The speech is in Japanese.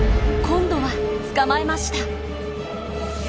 今度は捕まえました！